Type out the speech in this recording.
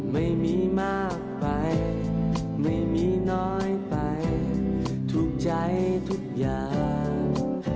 ไม่มีมากไปไม่มีน้อยไปถูกใจทุกอย่าง